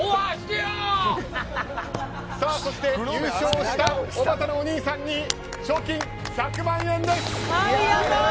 そして優勝したおばたのお兄さんに賞金１００万円です。